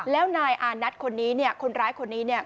แล้วนายอานัทคนนี้คนร้ายคนนี้